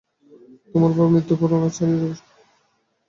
তোমার বাবার মৃত্যুর পর উনার চালিয়ে যাওয়ার শক্তি প্রশংসনীয়।